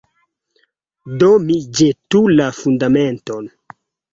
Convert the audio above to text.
Do mi ĵetu la Fundamenton.